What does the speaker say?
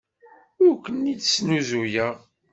Ur ken-id-snuzuyeɣ.